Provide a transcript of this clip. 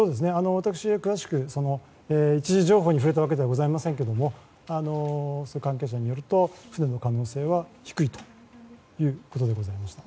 私が詳しく一次情報に触れたわけじゃありませんが関係者によると船の可能性は低いということでした。